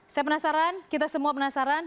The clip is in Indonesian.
saya penasaran kita semua penasaran